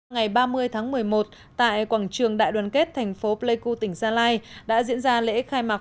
ngày ba mươi tháng một mươi một tại quảng trường đại đoàn kết thành phố pleiku tỉnh gia lai đã diễn ra lễ khai mạc